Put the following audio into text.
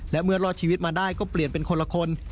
และเมื่อรอดชีวิตมาได้ก็เปลี่ยนเป็นคนละคน